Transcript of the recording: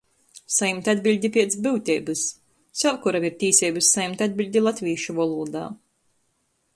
Sajimt atbiļdi piec byuteibys. Sevkuram ir tīseibys sajimt atbiļdi latvīšu volūdā.